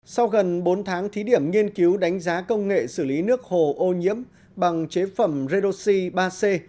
sau gần bốn tháng thí điểm nghiên cứu đánh giá công nghệ xử lý nước hồ ô nhiễm bằng chế phẩm redoxi ba c